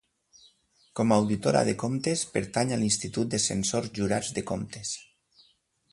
Com a auditora de comptes, pertany a l'Institut de Censors Jurats de Comptes.